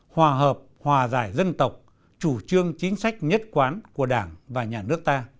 hòa hợp hòa giải dân tộc chủ trương chính sách nhất quán của đảng và nhà nước ta